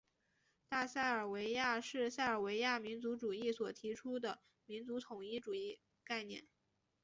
大塞尔维亚是塞尔维亚民族主义者所提出的民族统一主义概念。